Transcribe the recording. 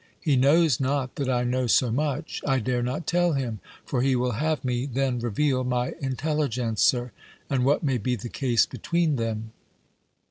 He knows not that I know so much. I dare not tell him. For he will have me then reveal my intelligencer: and what may be the case between them?